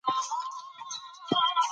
غلام په خپله برخه ډیر خوشاله و.